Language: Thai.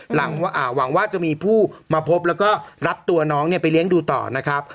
หวังว่าจะมีผู้มาพบแล้วก็รับตัวน้องเนี่ยไปเลี้ยงดูต่อนะครับ